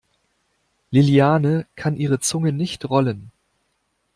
Liliane kann ihre Zunge nicht rollen.